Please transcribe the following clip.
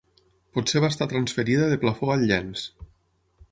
Potser va estar transferida de plafó al llenç.